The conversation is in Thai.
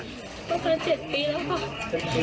มันเป็น๗ปีแล้วค่ะ